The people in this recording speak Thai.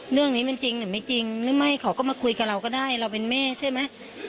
เรื่องนี้มันจริงหรือไม่จริงหรือไม่เขาก็มาคุยกับเราก็ได้เราเป็นแม่ใช่ไหม